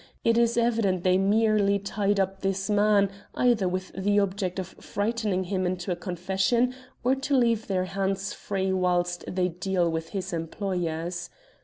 It is evident they merely tied up this man, either with the object of frightening him into a confession, or to leave their hands free whilst they dealt with his employers.